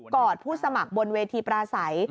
อดผู้สมัครบนเวทีปราศัย